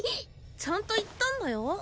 ちゃんと言ったんだよ